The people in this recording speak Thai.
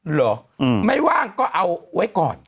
หรือไม่ว่างก็เอาไว้